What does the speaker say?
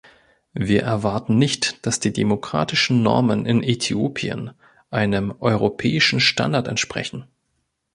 Wir erwarten nicht, dass die demokratischen Normen in Äthiopien einem europäischen Standard entsprechen.